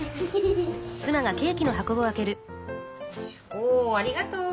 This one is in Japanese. おありがとう。